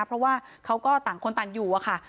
เพราะว่าเขาก็ต่างคนต่างอยู่อะค่ะ